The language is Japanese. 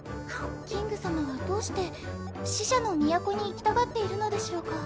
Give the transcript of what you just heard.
キング様はどうして死者の都に行きたがっているのでしょうか？